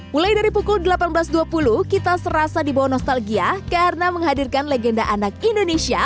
mulai dari pukul delapan belas dua puluh kita serasa di bawah nostalgia karena menghadirkan legenda anak indonesia